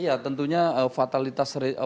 ya tentunya fatalitas seri